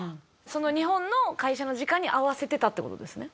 その日本の会社の時間に合わせてたって事ですね？